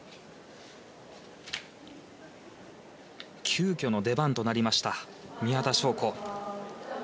急きょの出番となりました宮田笙子。